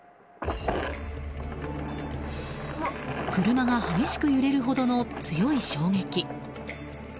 車が激しく揺れるほどの強い衝撃。